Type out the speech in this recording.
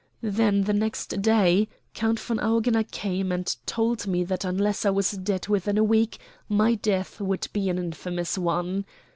Then, the next day, Count von Augener came and told me that unless I was dead within a week my death would be an infamous one.